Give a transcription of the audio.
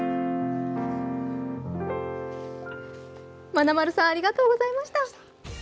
まなまるさん、ありがとうございました。